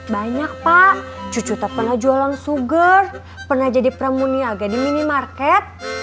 banyak pak cucu tak pernah jualan sugar pernah jadi pramuniaga di minimarket